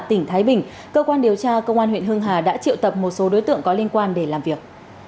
tỉnh thái bình cơ quan điều tra công an huyện hưng hà đã triệu tập một số đối tượng có liên quan để làm việc